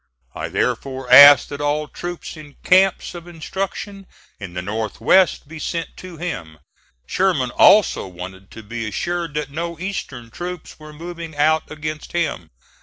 I therefore asked that all troops in camps of instruction in the North west be sent to him. Sherman also wanted to be assured that no Eastern troops were moving out against him.